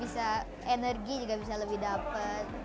bisa energi juga bisa lebih dapat